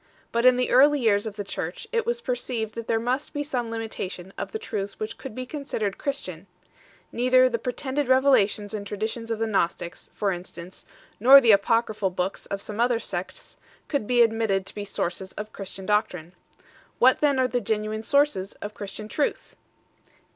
But in the early years of the Church it was perceived that there must be some limitation of the truths which could be considered Christian ; neither the pretended revelations and traditions of the Gnostics, for instance, nor the apocryphal books of some other sects, could be admit ted to be sources of Christian doctrine. What then are the .genuine sources of Christian truth